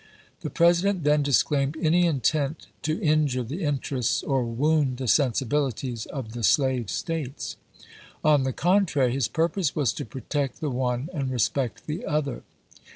The President then disclaimed any intent to injure the interests or wound the sensibilities of the slave States. On the contrary, his purpose was to protect the one and respect the other.